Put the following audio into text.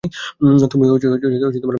তুমি ক্ষমাও চেয়েছো।